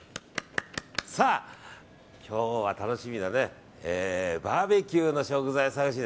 さあ、今日は楽しみなバーベキューの食材探し。